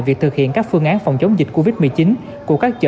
việc thực hiện các phương án phòng chống dịch covid một mươi chín